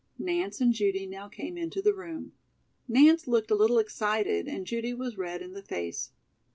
Nance and Judy now came into the room. Nance looked a little excited and Judy was red in the face.